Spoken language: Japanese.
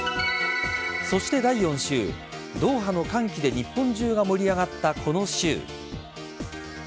そして第４週ドーハの歓喜で日本中が盛り上がったこの週。